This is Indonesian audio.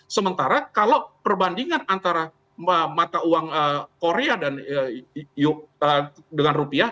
sementara kalau perbandingan antara mata uang korea dan rupiah